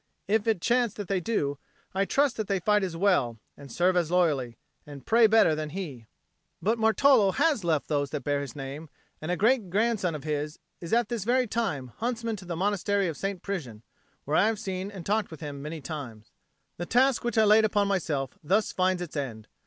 If it chance that they do, I trust that they fight as well, and serve as loyally, and pray better than he. But Martolo has left those that bear his name, and a great grandson of his is at this very time huntsman to the Monastery of St. Prisian, where I have seen and talked with him many times. The task which I laid upon myself thus finds its end.